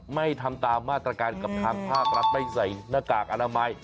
ไม่ทำตามมาตรการกับทางภาครัฐไม่ใส่หน้ากากอนามัย